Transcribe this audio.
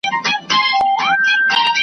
شمع به اوس څه وايی خوله نه لري .